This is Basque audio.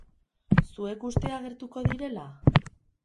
Zuek uste agertuko direla?